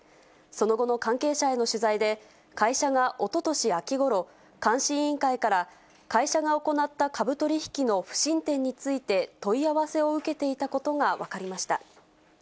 その後の関係者への取材で、会社がおととし秋ごろ、監視委員会から、会社が行った株取り引きの不審点について問い合わせを受けていたことが分かりました。